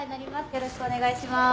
よろしくお願いします。